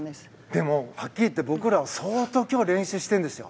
でもはっきり言って僕らは相当練習してるんですよ。